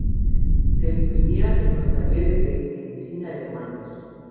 Se imprimía en los talleres de Encina Hermanos.